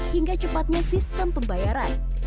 hingga cepatnya sistem pembayaran